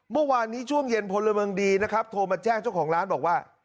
เมื่อวานนี้ช่วงเย็นพลเมืองดีนะครับโทรมาแจ้งเจ้าของร้านบอกว่า